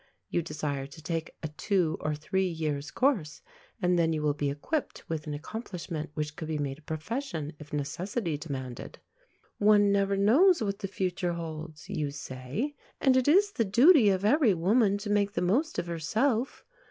You desire to take a two or three years' course, and then you will be equipped with an accomplishment which could be made a profession if necessity demanded. "One never knows what the future holds," you say, "and it is the duty of every woman to make the most of herself."